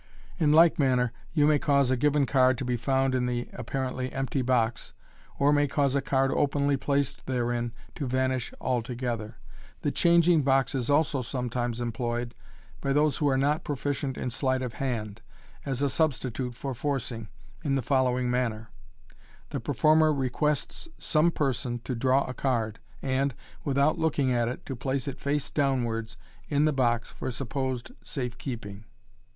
In like manner, you may cause a given card to be found in the appa rently empty box, or may cause a card openly placed therein to vanish altogether. The changing box is also sometimes employed by those who are not proficient in sleight of hand, as a substitute for forcing, m the following manner :— The performer requests some person to draw a card, and, without looking at it, to place it face downwards in the box for supposed safe keeping.